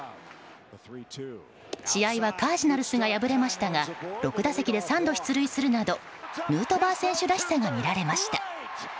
試合はカージナルスが敗れましたが６打席で３度出塁するなどヌートバー選手らしさが見られました。